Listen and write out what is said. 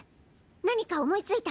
何か思いついた？